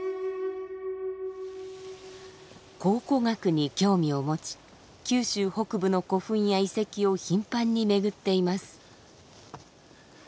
考古学に興味を持ち九州北部の古墳や遺跡を頻繁に巡っています。